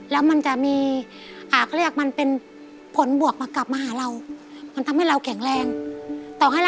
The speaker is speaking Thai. แล้วมันเป็นพลังพลังบ้านบวกค่ะ